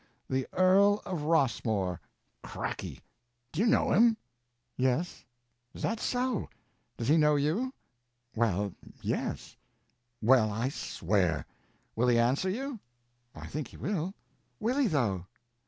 "The Earl of Rossmore! Cracky! Do you know him?" "Yes." "Is that so! Does he know you?" "Well—yes." "Well, I swear! Will he answer you?" "I think he will." "Will he though?